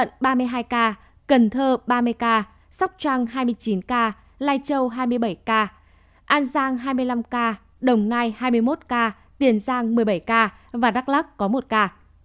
điện biên tám mươi hai ca kiên giang ba mươi ca sóc trang hai mươi chín ca lai châu hai mươi bảy ca an giang hai mươi năm ca đồng ngai hai mươi một ca tiền giang một mươi bảy ca đắk lắc một ca